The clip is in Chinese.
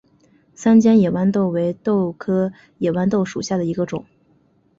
三尖野豌豆为豆科野豌豆属下的一个种。